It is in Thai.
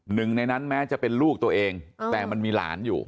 หนึ่งในนั้นแม้จะเป็นลูกตัวเองแต่มันมีหลานอยู่